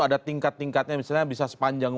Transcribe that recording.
ada tingkat tingkatnya misalnya bisa sepanjang